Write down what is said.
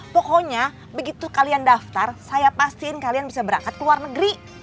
pokoknya begitu kalian daftar saya pastiin kalian bisa berangkat ke luar negeri